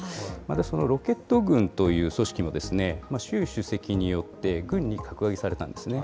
そのロケット軍という組織も、習主席によって軍に格上げされたんですね。